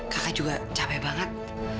kakak juga capek banget